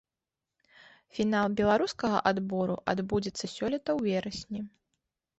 Фінал беларускага адбору адбудзецца сёлета ў верасні.